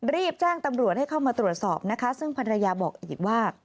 รีบแจ้งตำรวจให้เข้ามาตรวจสอบนะคะซึ่งภรรยาบอกอีกว่า